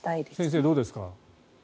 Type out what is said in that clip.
先生、どうですか。